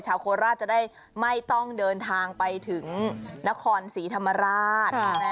โคราชจะได้ไม่ต้องเดินทางไปถึงนครศรีธรรมราช